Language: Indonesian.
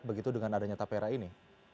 begitu dengan adanya tapera ini